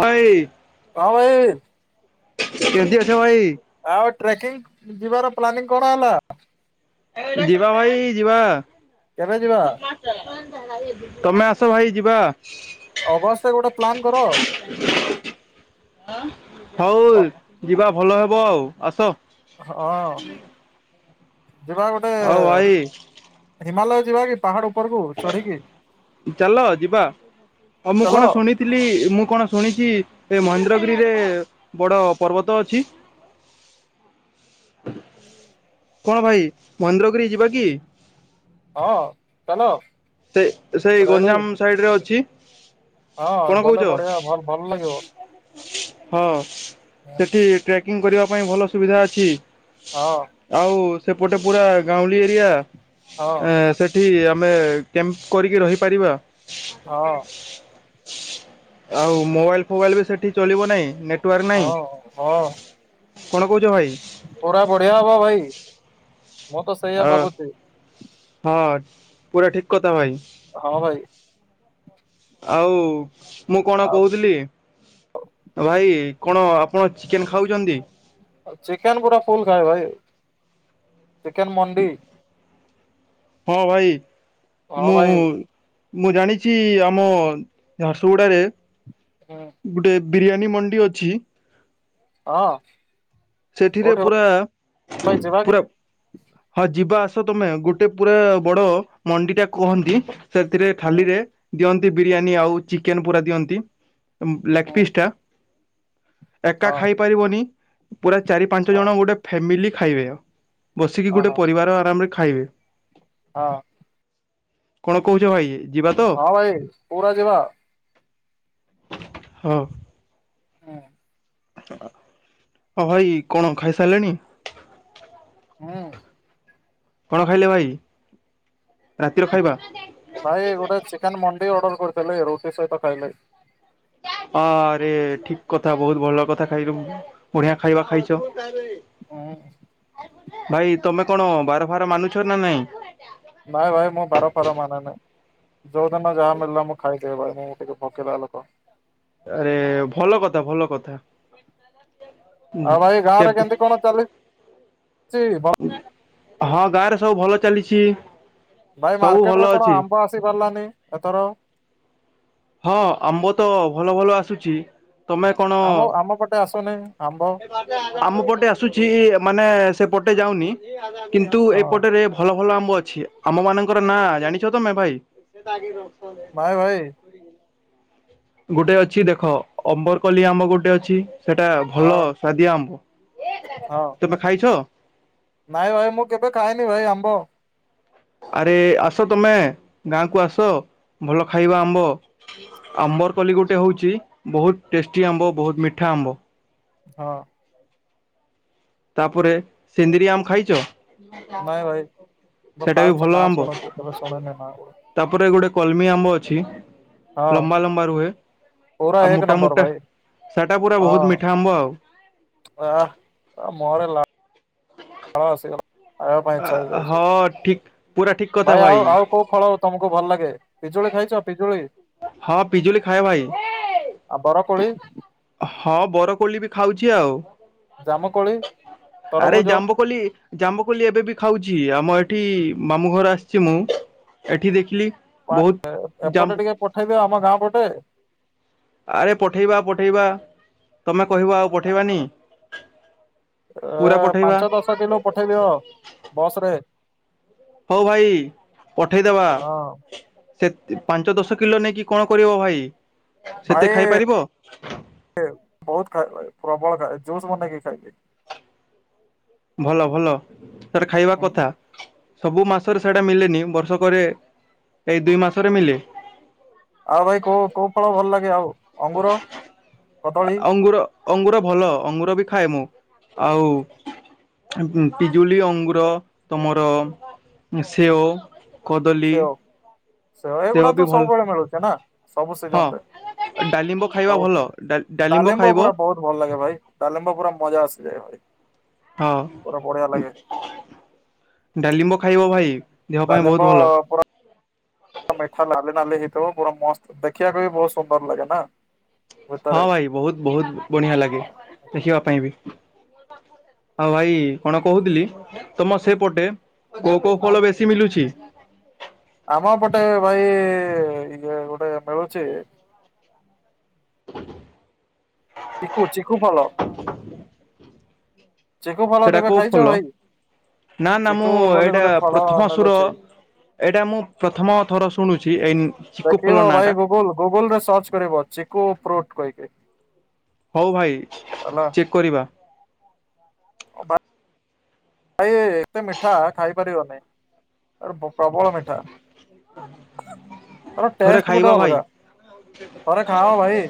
ଭାଇ। ହଁ ଭାଇ। କେମିତି ଅଛ ଭାଇ? ଆଉ ଟ୍ରେକିଂ ଯିବାର ପ୍ଲାନିଂ କଣ ହେଲା? ଯିବା ଭାଇ ଯିବା। କେବେ ଯିବା? ତମେ ଆସ ଭାଇ ଯିବା। ଅଗଷ୍ଟରେ ଗୋଟେ ପ୍ଲାନ୍ କର। ହଉ ଅ ଯିବା ଭଲ ହେବ ଆଉ ଆସ। ହଁ ଯିବା ଗୋଟେ ଆଉ ଭାଇ ହିମାଲୟ ଯିବା କି? ପାହାଡ ଉପରକୁ ଚଢିକି ଚାଲ ଚାଲ। ଥିଲି। ମୁଁ କଣ ଶୁଣିଚି ଏ ମହେନ୍ଦ୍ରଗିରିରେ ବଡ ପର୍ବତ ଅଛି। କଣ ଭାଇ ମହେନ୍ଦ୍ରଗିରି ଯିବା କି? ହଁ ଚାଲ। ସେ ସେଇ ରେଡି ଗଞ୍ଜାମ ସାଇଡ ରେ ଅଛି। ହଁ କଣ ଗଲେ କହୁଚ ବଢିଆ ଭଲ ଭଲ ଲାଗିବ। ହଁ ସେଠି ଟ୍ରେକିଂ କରିବା ପାଇଁ ଭଲ ସୁବିଧା ଅଛି। ହଁ। ଆଉ ସେପଟେ ପୁରା ଗାଉଁଳି ଏରିଆ। ହଁ ସେଠି ଆମେ କ୍ୟାମ୍ପ୍ କରିକି ରହିପାରିବା। ହଁ। ଆଉ ମୋବାଇଲ ଫୋବାଇଲ ବି ସେଠି ଚଲିବ ନାହିଁ। ନେଟ ଟୱାର୍କ୍ ନାଇଁ ହଁ ହଁ କଣ କହୁଛ ଭାଇ? ପୁରା ବଢିଆ ହବ ଭାଇ। ମୁଁ ତ ସେଇଆ ଅ ଭାବୁଚି। ହଁ ପୁରା ଠିକ୍ କଥା ଭାଇ। ହଁ ଭାଇ। ଆଉ ମୁଁ କଣ ଆଉ କହୁଥିଲି ଭାଇ କଣ ଆପଣ ଚିକେନ ଖାଉଚନ୍ତି? ଚିକେନ ପୁରା ଫୁଲ ଖାଏ ଭାଇ। ଚିକେନ ମଣ୍ଡି। ହଁ ଭାଇ। ହଁ ମୁଁ ଭାଇ। ମୁଁ ଜାଣିଚି ଆମ ଝାରସୁଗୁଡାରେ ହୁଁ। ଗୋଟେ ବିରିୟାନୀ ମଣ୍ଡି ଅଛି। ହଁ। ସେଠିରେ କୋଉଠି ପୁରା ଭାଇ ଯିବା କି? ପୁରା ହଁ ଯିବା ଆସ ତମେ ଗୋଟେ ପୁରା ବଡ ମଣ୍ଡି ଟା କୁହନ୍ତି। ସେଥିରେ ହୁଁ ଥାଲି ରେ ଦିଅନ୍ତି ବିରିୟାନୀ ଆଉ ଚିକେନ ପୁରା ଦିଅନ୍ତି। ଲେଗ୍ ହୁଁ ପିସ୍ ଟା। ଏକା ହଁ ଖାଇପାରିବନି। ପୁରା ଚାରି ପାଞ୍ଚ ହଁ ଜଣ ଗୋଟେ ଫ୍ୟାମିଲି ଖାଇବେ, ବସିକି ହଁ ହଁ। ଗୋଟେ ପରିବାର ଆରାମରେ ଖାଇବେ। ହଁ। କଣ କହୁଛ ଭାଇ? ଯିବା ତ? ହଁ ଭାଇ ପୁରା ଯିବା। ହଁ। ହୁଁ ହଁ ଭାଇ କଣ ଖାଇସାରିଲେଣି? ହଁ। କଣ ଖାଇଲେ ଭାଇ, ରାତିର ଖାଇବା? ଭାଇ ଗୋଟେ ଚିକେନ ମଣ୍ଡି ଅର୍ଡର କରିଥିଲେ, ରୁଟି ସହିତ ଖାଇଲେ। ଆରେ ଠିକ କଥା, ବହୁତ ଭଲ କଥା ଖାଇଛୁ ବଢିଆ ଖାଇବା ଖାଇଛ। ହଁ। ଭାଇ ତମେ କଣ ବାର ଫାର ମାନୁଛ ନା ନାଇଁ? ନାଇଁ ଭାଇ ମୁଁ ବାର ଫାର ମାନେ ନାହିଁ, ଯୋଉ ଦିନ ଯାହା ମଳିଲା ମୁଁ ଖାଇ ଦେ ଭାଇ ମୁଁ ଟିକେ ଭୋକିଲା ଲୋକ। ଆରେ ଭଲ କଥା ଭଲ କଥା। ଆଉ ଭାଇ ଗାଁ ରେ କେବେ କେମତି କଣ ଚାଲିଛି, ବ ହଁ ଗାଁରେ ସବୁ ଭଲ ଚାଲିଛି। ଭାଇ ସବୁ ମାର୍କେଟ ଭଲ ରେ କଣ ଅଛି। ଆମ୍ବ ଆସି ପାରିଲାନି ଏଥର? ହଁ ଆମ୍ବ ତ ଭଲ ଭଲ ଆସୁଛି, ତମେ ଆମ କଣ ଆମ ପଟେ ଆସୁନି ଆମ୍ବ। ଆମ ପଟେ ଆସୁଛି, ମାନେ ସେ ପଟେ ଯାଉନି। କିନ୍ତୁ ହଁ ଏପଟରେ ଭଲ ଭଲ ଆମ୍ବ ଅଛି। ଆମ ମାନଙ୍କର ନାଁ ଜାଣିଛ ତମେ ଭାଇ? ଭାଇ ଭାଇ। ବ। ଗୋଟେ ଅଛି ଦେଖ ଅମ୍ବରକଲି ଆମ୍ବ ଗୋଟେ ଅଛି, ସେଟା ଭଲ ହଁ ସୁଆଦିଆ ଆମ୍ବ। ହଁ ତମେ ଖାଇଛ? ନାଇଁ ଭାଇ ମୁଁ କେବେ ଖାଇଏନି ଭାଇ ଆମ୍ବ। ଆରେ ଆସ ତମେ ଗାଁ କୁ ଆସ ଭଲ ଖାଇବା ଆମ୍ବ। ଆମ୍ବର କଲି ଗୋଟେ ହଉଛି ବହୁତ ଟେଷ୍ଟି ଆମ୍ବ ବହୁତ ମିଠା ଆମ୍ବ। ହଁ। ତାପରେ ସିନ୍ଦିରି ଆମ ଖାଇଛ? ନାଇଁ ଭାଇ ସେଟା ବି ଫାଷ୍ଟ ନା ଭଲ ଆମ୍ବ। ଶୁଣୁଛି କେବେ ଶୁଣିନି ନା ହଁ ତାପରେ ଗୋଟେ କଲମି ଆମ୍ବ ଅଛି। ଲମ୍ବା ଲମ୍ବା ରୁହେ, ପୁରା ଆଉ ଏକ ମୋଟା ନମ୍ବର ମୋଟା ଭାଇ ସେଟା ପୁରା ବହୁତ ମିଠା ଆମ୍ବ ଆଉ। ହ, ମୋର ଲ ଆସିଗଲା, ଖାଇବା ପାଇଁ ଇଚ୍ଛା ଆଉ ହେଇଯାଉଛି, ହଁ ଠିକ ପୁରା ଠିକ କଥା ଭାଇ ଆଉ ଆଉ କୋଉ ଫଳ ତମକୁ ଭଲ ଲାଗେ, ପିଜୁଳି ଖାଇଛ ପିଜୁଳି? ହଁ ପିଜୁଳି ଖାଏ ଭାଇ। ଆଉ ବରକୋଳି ହଁ ବରକୋଲି ବି ଖାଉଛି ଆଉ। ଜାମୁକୋଳି ଆରେ ତରଭୁଜ ଜାମ୍ୱୁକୋଲି। ଜାମ୍ବୁକୋଲି ଏବେ ବି ଖାଉଛି, ଆମ ଏଠି ମାମୁଁ ଘର ଆସିଛି ମୁଁ ଏଠି ଦେଖିଲି। ବହୁତ ଏପଟେ ଜାମ୍ବୁ ଟିକେ ପଠେଇଦିଅ ଆମ ଗାଁ ପଟେ। ଆରେ ପଠେଇବା ପଠେଇବା ତମେ କହିବ ଆଉ ପଠେଇବାନି? ପୁରା ଏ ପଠେଇବା ପାଞ୍ଚ, ଦଶ କିଲୋ ପଠେଇ ଦିଅ ବସ ରେ। ହଉ ଭାଇ ପଠେଇଦବା। ହଁ ସେ ପାଞ୍ଚ ଦଶ କିଲୋ ନେଇକି କଣ କରିବ ଭାଇ? ସେତେ ଭାଇ ଖାଇପାରିବ ବହୁତାଇ [unintelligible] ପ୍ରବଳ ଖାଇ ଜୁସ୍ ବନେଇକି ଖାଇଲେ। ଭଲ ଭଲ ସେଟେ ଖାଇବା ହୁଁ କଥା। ସବୁ ମାସରେ ସେଇଟା ମଳେନି ବର୍ଷକରେ ଏଇ ଦୁଇ ମାସରେ ମଳେ। ଆଉ ଭାଇ କୋଉ କୋଉ ଫଳ ଭଲ ଲାଗେ ଆଉ ଅଙ୍ଗୁର କଦଳୀ? ଅଙ୍ଗୁର ଅଙ୍ଗୁର ଭଲ ଅଙ୍ଗୁର ବି ଖାଏ ମୁଁ ଆଉ ପିଜୁଳି ଅଙ୍ଗୁର ତମର ସେଓ କଦଳୀ ସେଓ ସେଓ ଏଗୁଡା ବି ତ ଭଲ ସବୁବେଳେ ମିଳୁଛି ନା ସବୁ ସିଜନ ରେ ଡଲିମ୍ବୁ ଖାଇ ଡାଲିମ୍ବ ପୁରା ବହୁତ ଭଲ ଲାଗେ ଭାଇ ଡାଲିମ୍ବ ପୁରା ମଜା ଆସିଯାଏ ଭାଇ। ହଁ ପୁରା ବଢିଆ ଲାଗେ ଡାଲିଲିମ୍ବ ଖାଇବ ଭାଇ ଦେହ ପାଇଁ ବହୁତ ଭଲ [unintelligible] ମିଠା ନାଲି ନାଲି ହେଇଥିବ ପୁରା ମସ୍ତ ଦେଖିବାକୁ ବି ବହୁତ ସୁନ୍ଦର ଲାଗେ ନା? ହଁ ଭିତରେ ଭାଇ ବହୁତ ବହୁତ ବଢିଆ ଲାଗେ ଦେଖିବା ପାଇଁ ବି। ଆଉ ଭାଇ କଣ କହୁଥିଲି ତମ ସେପଟେ କୋଉ କୋଉ ଫଳ ବେଶୀ ମିଲୁଛି? ଆମ ପଟେ ଭାଇ ଇଏ ଗୋଟେ ମିଳୁଛି ଚିଖୁ ଚିଖୁ ଭଲ। ଚେକୁ ଫଲ ସେଟା କେବେ କୋଉ ଖାଇଛ ଫଲ ଭାଇ? ନା ନା ମୁଁ ଚିକୁ ବୋଲି ଏଇଟା ଗୋଟେ ଫଳ ପ୍ରଥମ ସୁର ମିଳୁଛି ଏଇଟା ମୁଁ ପ୍ରଥମ ଥର ଶୁଣୁଛି ଏଇ ଚକୁ ଫଲ ଦେଖିବ ନାଁ ଭାଇ ଟା। ଗୁଗୁଲ ଗୁଗୁଲ ରେ ସର୍ଚ୍ଚ କରିବ ଚିକୁ ଫ୍ରୁଟ ବୋଲି। ହଉ ଭାଇ ଚେକ୍ କରିବା। ଭାଇ ଏତେ ମିଠା ଖାଇପାରିବନି ପ୍ରବଳ ମିଠା। ଥରେ ଟେଷ୍ଟ ପୁରା ଖାଇବା ଗୋଟେ ଭାଇ ଅଲଗା ଥରେ ଖାଓ ଭାଇ।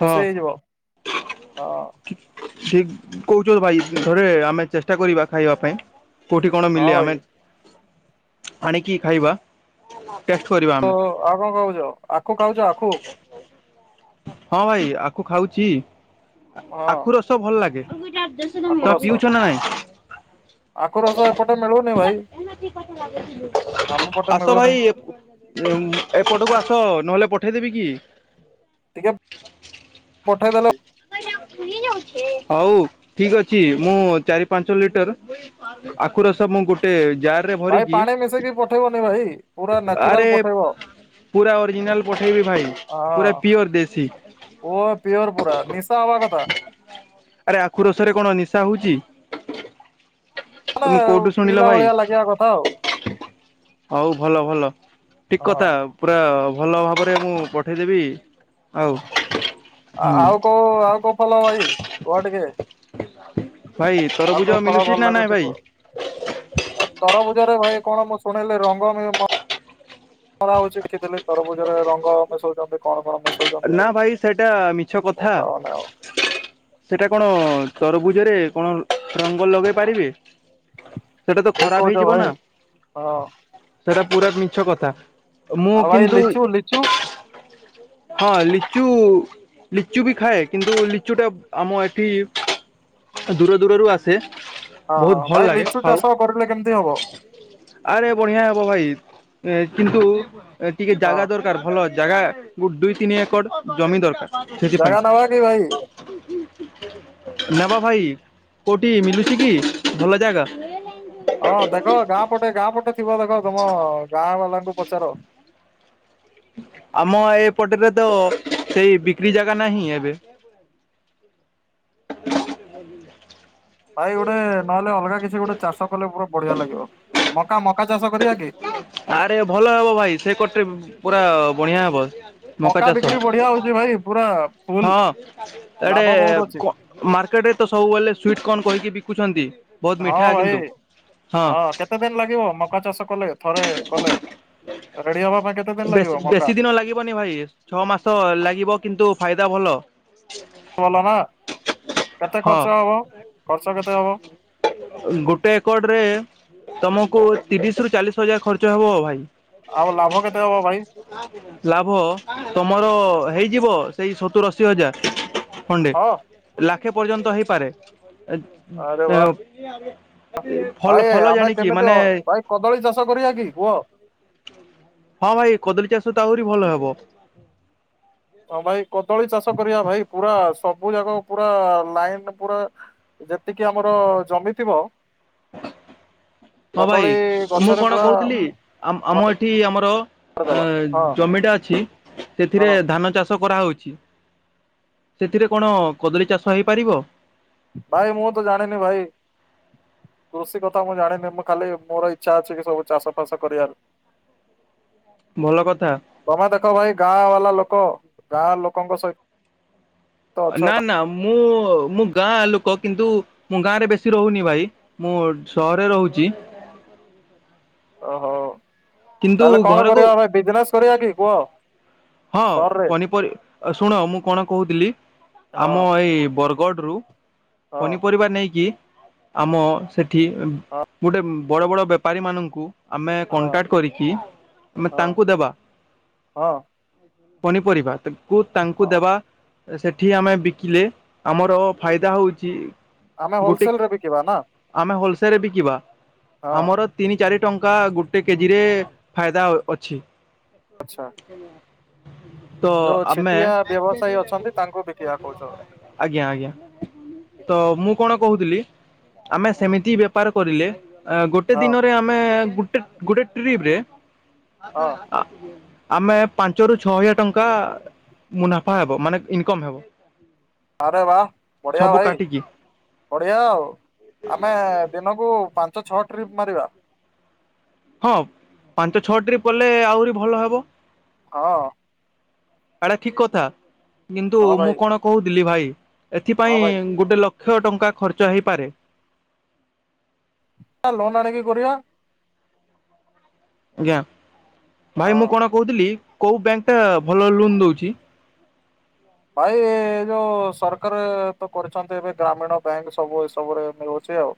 ଖୁସି ହେଇଯିବ ହଁ। ଠିକ କହୁଛ ଭାଇ ଥରେ ଆମେ ଚେଷ୍ଟା କରିବା ଖାଇବା ପାଇଁ। କୋଉଠି କଣ ହଁ ମିଲେ ଭାଇ ଆମେ ଆଣିକି ଖାଇବା ଟେଷ୍ଟ କରିବା ତ ଆମେ। ଆଉ କଣ କହୁଛ ଆଖୁ ଖାଉଛ ଆଖୁ? ହଁ ଭାଇ ଆଖୁ ଖାଉଛି। ହଁ ଆଖୁ ରସ ଭଲ ଲାଗେ, [inaudible] ଆଖୁ ତମେ ରସ ପିଉଛ ନା ନାଇଁ? ଆଖୁ ରସ ଏପଟେ ମିଳୁନି ଭାଇ କ ଆମ ପଟେ ଆସ ମିଳୁନି ଭାଇ ଉ ଏପଟକୁ ଆସ ନହେଲେ ପଠେଇଦେବି କି? ଟିକେ ପଠେଇଦେଲ। ହଉ ଠିକ ଅଛି ମୁଁ ଚାରି ପାଞ୍ଚ ଲିଟର ଆଖ ରସ ମୁଁ ଗୋଟେ ଯା ଭାଇ ପାଣି ମିଶେଇକି ପଠେଇବନି ଭାଇ ପୁରା ଆରେ ନାଚୁରାଲ ପଠେଇବ। ପୁରା ଅରିଜିନାଲ ପଠେଇବି ଭାଇ ପୁରା ହଁ ପିଓର ଦେଶୀ। ଓ ପିଓର ପୁରା ନିଶା ହବା କଥା। ଆରେ ଆଖୁ ରସରେ କଣ ନିଶା ହଉଛି? ତମେ ନଲେ କୋଉଠୁ ଶୁଣିଲ ପିଇଲା ଭାଇ ଭଳିଆ ଲାଗିବା କଥା ଆଉ। ହଉ ଭଲ ଭଲ ଠିକ କଥା ପୁରା ଭଲ ଭାବରେ ମୁଁ ପଠେଇଦେବି। ଆଉ ହଁ ହୁଁ ଆଉ କୋଉ ଆଉ କୋଉ ଭଲ ଭାଇ କହ ଟିକେ। ଭାଇ ଆଉ ତରଭୁଜ କୋଉ ଫଳ ମିଳୁଛି ଭଲ ନା ନାଇଁ ଲାଗୁଛି ଭାଇ କୁହ? ଆ ତରଭୁଜରେ ଭାଇ କଣ ମୁଁ ଶୁଣିଲି ରଙ୍ଗ ମରା ହଉଛି କି ଦେଲେ ତରଭୁଜରେ ରଙ୍ଗ ମିଶଉଛନ୍ତି। କଣ କଣ ମି ନା ଭାଇ ସେଇଟା ମିଛ କଥା। ଖାଅନା ଆଉ ସେଟା କଣ ତରଭୁଜରେ କଣ ରଙ୍ଗ ଲଗେଇ ପାରିବେ? ସେଟା ତ ଠିକ୍ ଖରାପ କହୁଛ ହେଇଯିବ ଭାଇ ନା ହଁ ସେଟା ପୁରା ମିଛ କଥା। ମୁଁ ଆଉ ଭାଇ କିନ୍ତୁ ଲିଚୁ ଲିଚୁ? ହଁ ଲିଚୁ ଲିଚୁ ବି ଖାଏ କିନ୍ତୁ ଲିଚୁଟା ଆମ ଏଠି ଦୂର ଦୂରରୁ ଆସେ। ଅହ ବହୁତ ଭଲ ଭାଇ ଲାଗେ ଲିଚୁ ଖାଉ ଚାଷ କରିଲେ କେମିତି ହବ? ଆରେ ବଢିଆ ହବ ଭାଇ କିନ୍ତୁ ଟିକେ ହଁ ଜାଗା ଦର କାର୍ ଭଲ ଜାଗା ଦୁଇ ତିନି ଏକର ଜମି ଦରକାର ସେଥିପାଇଁ ଜାଗା ନବା କି ଭାଇ ନବା ଭାଇ କଉଠି ମିଲୁଛି କି ଭଲ ଯାଗା? ହଁ ଦେଖ ଗାଁ ପଟେ ଗାଁ ପଟେ ଥିବ ଦେଖ ତମ ଗାଁ ବାଲାଙ୍କୁ ପଚାର? ଆମ ଏପଟେରେ ତ ସେଇ ବିକ୍ରି ଜାଗା ନାହିଁ ଏବେ। [inaudible] ଭାଇ ଗୋଟେ ନହେଲେ ଅଲଗା କିଛି ଗୋଟେ ଚାଷ କଲେ ପୁରା ବଢିଆ ଲାଗିବ, ମକା ମକା ଚାଷ କରିବା କି? ଆରେ ଭଲ ହବ ଭାଇ ସେ କଟରେ ପୁରା ବଢିଆ ହବ। ମକା ଚାଷ ବିକ୍ରି ବଢିଆ ହଉଛି ଭାଇ ପୁରା ଫୁଲ ହଁ ଏଡେ ଲାଭ ବହୁତ ଅଛି କ ମାର୍କେଟରେ ତ ସବୁବେଳେ ସ୍ଵିଟ କର୍ନ କହିକି ବିକୁଛନ୍ତି ବହୁତ ହଁ ମିଠା ଭାଇ କିନ୍ତୁ ହଁ କେତେ ଦିନ ଲାଗିବ ମକା ଚାଷ କଲେ ଥରେ କଲେ ରେଡି ହବା ପାଇଁ କେତେ ଦିନ ଲାଗିବ ମକା ନ ଲାଗିବନି ଭାଇ। ଛଅ ମାସ ଲାଗିବ କିନ୍ତୁ ଫାଇଦା ଭଲ। ଭଲ ନା କେତେ ହଁ ଖର୍ଚ୍ଚ ହବ ଖର୍ଚ୍ଚ କେତେ ହବ? ଗୋଟେ ଏକଡରେ ତମକୁ ତିରିଶରୁ ଚାଳିଶ ହଜାର ଖର୍ଚ୍ଚ ହବ ଭାଇ। ଆଉ ଲାଭ କେତେ ହବ ଭାଇ? ଲାଭ ତମର ହେଇଯିବ ସେଇ ସତୁର ଅଶି ହଜାର। ଖଣ୍ଡେ ହଁ ଲାଖେ ପର୍ଯ୍ୟନ୍ତ ହେଇପାରେ। ଆରେ ବା ଏ ଭାଇ ଆମେ କେମିତି ଭାଇ କଦଳୀ ଚାଷ କରିବା କି କୁହ? ହଁ ଭାଇ କଦଳୀ ଚାଷ ତ ଆହୁରି ଭଲ ହବ। ହଁ ଭାଇ କଦଳୀ ଚାଷ କରିବା ଭାଇ ପୁରା ସବୁ ଜାଗ ପୁରା ଲାଇନ ପୁରା ଯେତିକି ଆମର ଜମିଥିବ। ହଁ ଭାଇ ମୁଁ ଗଛରେ କଣ ପୁରା କହୁଥିଲି ଭ ଆମ ଏଠି ଆମର। ଅ ହଁ ଜମିଟା ଅଛି ସେଥିରେ ହଁ ଧାନ ଚାଷ କରାହଉଛି। ସେଥିରେ କଣ କଦଳୀ ଚାଷ ହେଇପାରିବ? ଭାଇ ମୁଁ ତ ଜାଣିନି ଭାଇ। କୃଷି କଥା ମୁଁ ଜାଣିନି ମୁଁ ଖାଲି ମୋର ଇଚ୍ଛା ଅଛି କି ସବୁ ଚାଷ ଫାସ କରିବାର। ଭଲ କଥା। ତମେ ଦେଖ ଭାଇ ଗାଁ ବାଲା ଲୋକ ଗାଁ ଲୋକଙ୍କ ସହି ନା ନା ମୁଁ ମୁଁ ଗାଁ ଲୋକ କିନ୍ତୁ ମୁଁ ଗାଁରେ ବେଶୀ ରହୁନି ଭାଇ। ମୁଁ ସହରେ ରହୁଛି। ଓହୋ କିନ୍ତୁ ତାହେଲେ କଣ ଘରକୁ କରିବା ଭାଇ ବିଜନେସ କରିବା କି କୁହ? ହଁ ସରରେ ପନିପରି ଶୁଣ ମୁଁ କଣ କହୁଥିଲି ହଁ ଆମ ଏଇ ବର ଗଡ୍ ରୁ ହଁ ପନିପରିବା ନେଇକି ଆମ ସେଠି ହଁ ଗୋଟେ ବଡ଼ ବଡ଼ ବେପାରୀମାନଙ୍କୁ ଆମେ ହଁ କଣ୍ଟାକ୍ଟ କରିକି ଆମେ ହଁ ତାଙ୍କୁ ଦେବା। ହଁ। ପନିପରିବା ତାକୁ ତାଙ୍କୁ ହଁ ଦେବା। ସେଠି ଆମେ ବିକିଲେ ଆମର ଫାଇଦା ହଉଛି ଆମେ ହୋଲସେଲ ରେ ବି କିିବା ନା। ଆମେ ହୋଲସେଲରେ ବିକିବା ହଁ ଆମର ତିନି ଚାରି ଟଙ୍କା ଗୋଟେ କେଜିରେ ଫାଇଦା ଅଛି। ଆଚ୍ଛା। ତ ଯୋଉ ଆମେ ଛିଟିଆ ବ୍ୟବସାୟୀ ଅଛନ୍ତି ତାଙ୍କୁ ବିକିବା କହୁଛ ଆଜ୍ଞା ଆଜ୍ଞା ହୁଁ ତ ମୁଁ କଣ କହୁଥିଲି ଆମେ ସେମିତି ବେପାର କରିଲେ ଗୋଟେ ହଁ ଦିନରେ ଆପ ଆମେ ଗୋଟେ, ଗୋଟେ ଟ୍ରିପ ରେ ହଁ ଆ ଆମେ ପାଞ୍ଚରୁ ଛଅ ହଜାର ଟଙ୍କା ମୁନାଫା ହେବ ମାନେ ଇନକମ ହେବ। ଆରେ ବା ବଢିଆ ସବୁ ଭାଇ। କାଟିକି ବଢ଼ିଆ ଆଉ ଆମେ ଦିନକୁ ପାଞ୍ଚ ଛଅ ଟ୍ରିପ୍ ମାରିବା। ହଁ ପାଞ୍ଚ ଛଅ ଟ୍ରିପ୍ କଲେ ଆହୁରି ଭଲ ହବ। ହଁ। ଏରା ଠିକି କଥା କିନ୍ତୁ ହଁ ଭାଇ ମୁଁ କଣ କହୁଥିଲି ଭାଇ ହଁ ଏଥିପାଇଁ ଭାଇ ଗୋଟେ ଲକ୍ଷ ଟଙ୍କା ଖର୍ଚ୍ଚ ହେଇପାରେ। ତା ଲୋନ୍ ଆଣିକି କରିବା। ଆଜ୍ଞା ଭାଇ ହଁ ମୁଁ କଣ କହୁଥିଲି କୋଉ ବ୍ୟାଙ୍କ ଟା ଭଲ ଲୋନ୍ ଦଉଛି? ଭାଇ ଏ ଯୋଉ ସରକାର ତ କରିଛନ୍ତି ଏବେ ଗ୍ରାମୀଣ ବ୍ୟାଙ୍କ ସବୁ ଏସବୁରେ ଏମିଓ ଚି ଆଉ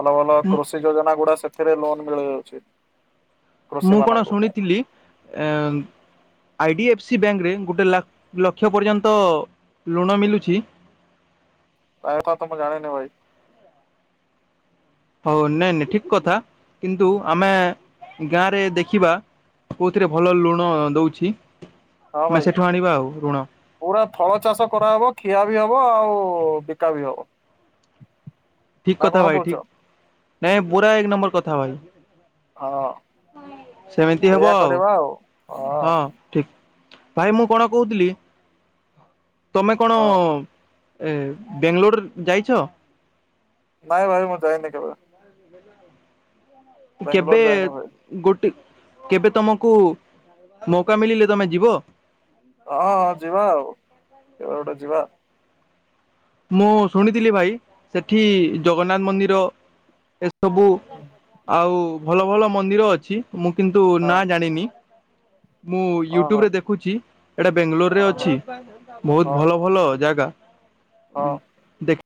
ଭଲ ଭଲ କୃଷି ଯୋଜନା ଗୁଡା ସେଥିରେ ଲୋନ ମିଳିଯାଉଛି। କୃଷି ମୁଁ କଣ ମାନଙ୍କ ପାଇଁ ଶୁଣିଥିଲି ଏ ଆଇ ଡି ଏଫ୍ ସି ବ୍ୟାଙ୍କରେ ଗୋଟେ ଲକ ଲକ୍ଷ ପର୍ଯ୍ୟନ୍ତ ଲୁଣ ମିଳୁଛି। ତା କଥା ତ ଯାଣେ ନି ଭାଇ। ହଉ ନାଇଁ ନାଇଁ ଠିକ କଥା କିନ୍ତୁ ଆମେ ଗାଁ ରେ ଦେଖିବା କୋଉଥିରେ ଭଲ ଲୁଣ ଦଉଛି। ହଁ ଆମେ ଭାଇ ସେଠୁ ଆଣିବା ଆଉ ଋଣ। ପୁରା ଥଳ ଚାଷ କରାହବ ଖିଆ ବି ହବ ଆଉ ବିକା ବି ହବ। ଠିକ ନା କଥା କଣ ଭାଇ କହୁଛ? ଠିକ, ନାଇଁ ପୁରା ଏକ ନମ୍ବର କଥା ଭାଇ। ହଁ ସେମିତି ହବ ଆଉ ହଁ ଠିକ। ଭାଇ ମୁଁ କଣ କହୁଥିଲି ତମେ କଣ? ହଁ ଏ ବେଙ୍ଗଲୋରଡ ଯାଇଛ? ନାଇଁ ଭାଇ ମୁଁ ଦଇନି କେବେ। ବାଙ୍ଗାଲୋର କେବେ ଯାଇନି ଭାଇ ଗୋଟେ, କେବେ ତମକୁ ମଉକା ମିଳିଲେ ତମେ ଯିବ? ହଁ ହଁ ଯିବା ଆଉ କେବେ ଗୋଟେ ଯିବା। ମୁଁ ଶୁଣିଥିଲି ଭାଇ ସେଠି ଜଗନ୍ନାଥ ମନ୍ଦିର ସବୁ ଆଉ ଭଲ ଭଲ ମନ୍ଦିର ଅଛି। ମୁଁ କିନ୍ତୁ ହଁ ନା ଜାଣିନି ମୁଁ ହଁ ୟୁଟ୍ୟୁବ ରେ ଦେଖ୍ ହଁ ଦେଖୁଛି ଏଇଟା ବେଙ୍ଗାଲୋର ରେ ହଁ ଅଛି ବହୁତ ହଁ ଭଲ ଭଲ ଜାଗା। ହଁ ଦେକ୍